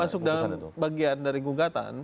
masuk dalam bagian dari gugatan